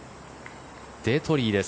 デトリーです。